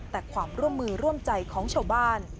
แต่ความร่วมมือร่วมใจของชาวบ้าน